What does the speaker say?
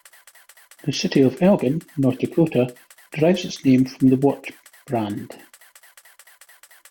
The city of Elgin, North Dakota derives its name from the watch brand.